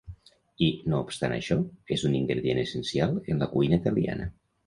I, no obstant això, és un ingredient essencial en la cuina italiana.